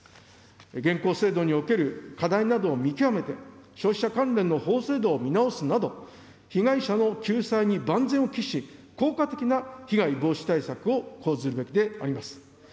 現行制度における課題などを見極めて、消費者関連の法制度を見直すなど、被害者の救済に万全を期し、効果的な被害防止対策を講ずるべきであります。